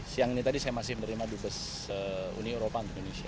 siang ini tadi saya masih menerima dubes uni eropa untuk indonesia